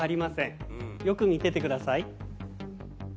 よく見ててください。